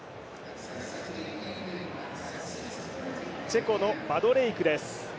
チェコのバドレイクです。